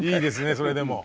それでも。